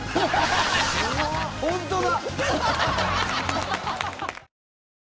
本当だ！